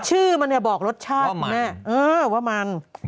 ชื่อมันเนี่ยบอกรสชาติแม่เออว่ามัน